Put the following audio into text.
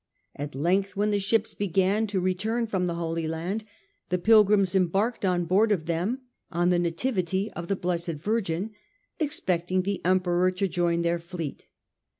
... At length, when the ships began to return from the Holy Land, the pilgrims embarked on board of them, on the Nativity of the Blessed Virgin, expecting the Emperor to join their fleet.